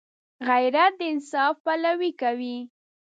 غیرت د انصاف پلوي کوي